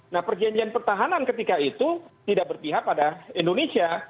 nah perjanjian pertahanan ketika itu tidak berpihak pada indonesia